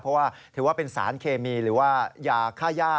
เพราะว่าถือว่าเป็นสารเคมีหรือว่ายาค่าย่า